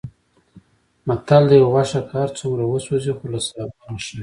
متل دی: غوښه که هرڅومره وسوځي، خو له سابو نه ښه وي.